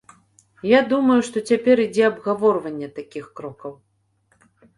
Я думаю, што цяпер ідзе абгаворванне такіх крокаў.